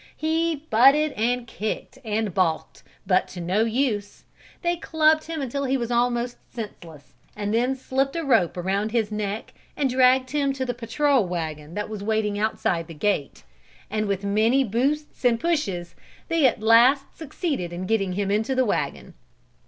He butted and kicked and balked, but to no use; they clubbed him until he was almost senseless and then slipped a rope around his neck and dragged him to the patrol wagon that was waiting outside the gate, and with many boosts and pushes they at last succeeded in getting him into the wagon.